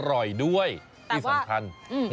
อร่อยด้วยที่สำคัญ